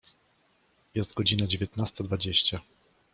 Jest godzina dziewiętnasta dwadzieścia.